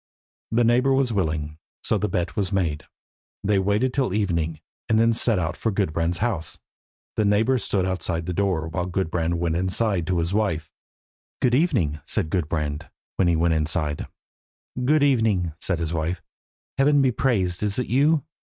The neighbour was willing, so the bet was made. They waited till evening, and then set out for Gudbrand's house. The neighbour stood outside the door, while Gudbrand went inside to his wife. "Good evening," said Gudbrand, when he was inside. "Good evening," said his wife. "Heaven be praised. Is it you?"